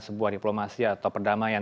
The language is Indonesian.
sebuah diplomasi atau perdamaian